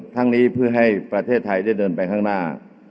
ทั้งนี้เพื่อให้ประเทศไทยได้เดินไปข้างหน้า